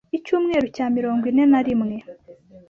Icyumweru cya cya mirongo ine na rimwe